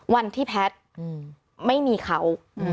วันที่แพทย์ไม่มีเขา